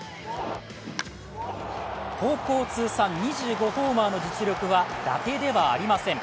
高校通算２５ホーマーの実力はだてではありません。